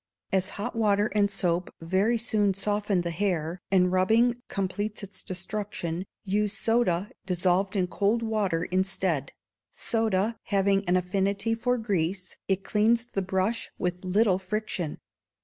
As hot water and soap very soon soften the hair, and rubbing completes its destruction, use soda, dissolved in cold water, instead; soda having an affinity for grease, it cleans the brush with little friction.